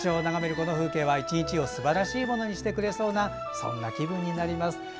この風景は１日をすばらしいものにしてくれそうな気分になります。